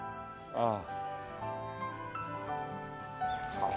ああ。